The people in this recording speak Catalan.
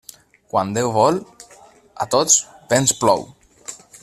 Quan Déu vol, a tots vents plou.